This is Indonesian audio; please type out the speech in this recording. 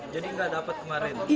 jadi tidak dapat kemarin